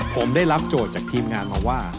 ผมได้รับโจทย์จากทีมงานมาว่า